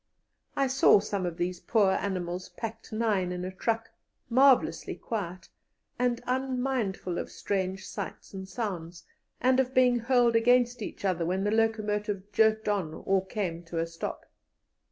I saw some of these poor animals packed nine in a truck, marvellously quiet, and unmindful of strange sights and sounds, and of being hurled against each other when the locomotive jerked on or came to a stop.